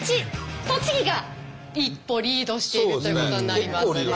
栃木が一歩リードしているということになります。